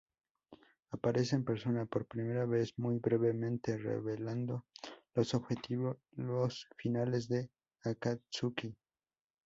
Aparece en persona por primera vez muy brevemente, revelando los objetivos finales de Akatsuki.